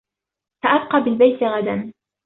سأبقى بالبيت غداً.